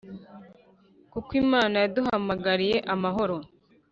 kuko Imana yaduhamagariye amahoro